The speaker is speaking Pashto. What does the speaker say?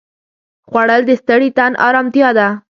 خوړل د ستړي تن ارامتیا ده